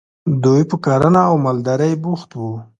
دوی په کرنه او مالدارۍ بوخت وو.